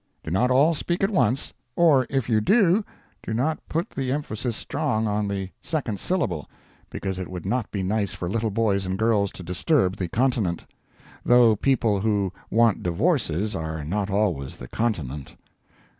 Do not all speak at once—or if you do, do not put the emphasis strong on the second syllable, because it would not be nice for little boys and girls to disturb the continent. Though people who want divorces are not always the continent.